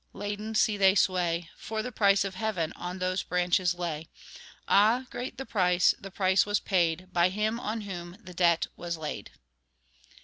Laden, see they sway! For the price of heaven On those branches lay; Ah! great the price, that price was paid, By Him on whom the debt was laid.